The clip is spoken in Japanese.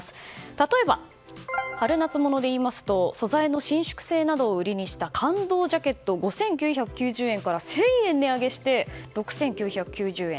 例えば、春夏物でいいますと素材の伸縮性などを売りにした感動ジャケットが５９９０円から１０００円値上げして６９９０円。